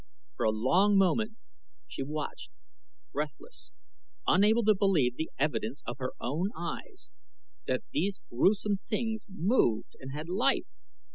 For a long moment she watched, breathless; unable to believe the evidence of her own eyes that these grewsome things moved and had life!